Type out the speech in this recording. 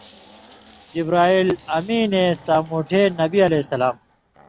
جبرائیل امینے سامٹَھیں نبی علیہ السلام